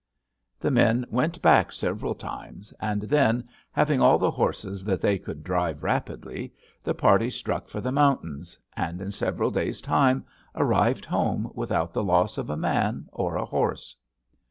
"The men went back several times, and then, having all the horses that they could drive rapidly, the party struck for the mountains, and in several days' time arrived home without the loss of a man or a horse.